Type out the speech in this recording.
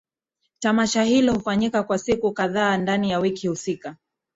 Tamasha Hilo hufanyika kwa siku kadhaa ndani ya wiki husika